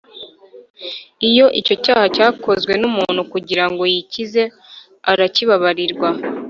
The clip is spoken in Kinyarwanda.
Iyo icyo cyaha cyakozwe n umuntu kugira ngo yikize arakibabarrirwa